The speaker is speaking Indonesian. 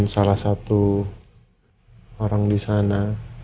salah satu orang di sana